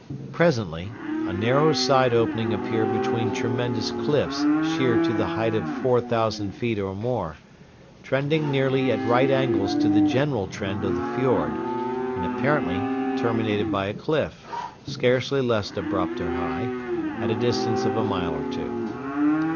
Presently, a narrow side opening appeared between tremendous cliffs sheer to a height of four thousand feet or more, trending nearly at right angles to the general trend of the fiord, and apparently terminated by a cliff, scarcely less abrupt or high, at a distance of a mile or two.